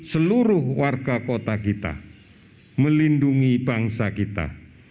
seluruh warga kota kita melindungi bangsa kita